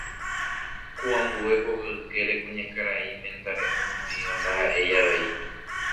ku ambue hóga ykére kuñakarai mendare'ỹ oĩva ndaha'éi avei